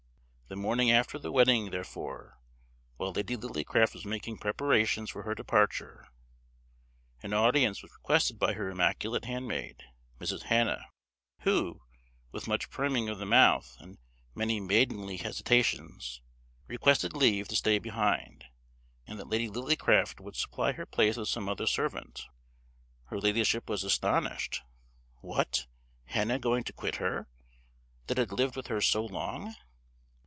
The morning after the wedding, therefore, while Lady Lillycraft was making preparations for her departure, an audience was requested by her immaculate handmaid, Mrs. Hannah, who, with much priming of the mouth, and many maidenly hesitations, requested leave to stay behind, and that Lady Lillycraft would supply her place with some other servant. Her ladyship was astonished: "What! Hannah going to quit her, that had lived with her so long!"